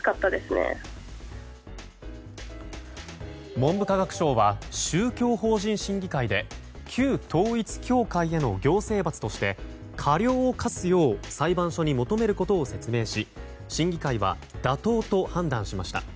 文部科学省は宗教法人審議会で旧統一教会への行政罰として過料を科すよう裁判所に求めることを説明し審議会は妥当と判断しました。